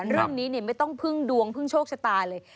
เรื่องนี้ไม่ต้องพึ่งดวงพึ่งโชคชะตาเลย